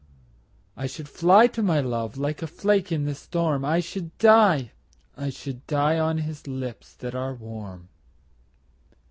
I should fly to my love Like a flake in the storm, I should die, I should die, On his lips that are warm.